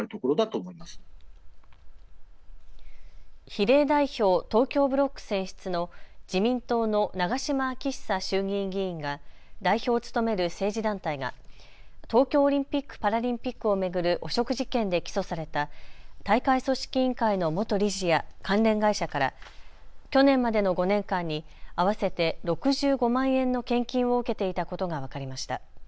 比例代表・東京ブロック選出の自民党の長島昭久衆議院議員が代表を務める政治団体が東京オリンピック・パラリンピックを巡る汚職事件で起訴された大会組織委員会の元理事や関連会社から去年までの５年間に合わせて６５万円の献金を受けていたことが分かりました。